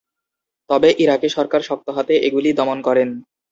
তবে ইরাকি সরকার শক্ত হাতে এগুলি দমন করেন।